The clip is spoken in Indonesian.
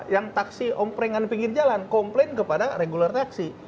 yang taksi omprengan pinggir jalan komplain kepada regular taksi